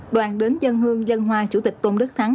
đoàn đến dân hương dân hoa chủ tịch tôn đức thắng